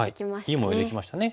いい模様できましたね。